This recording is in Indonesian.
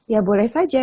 ya boleh saja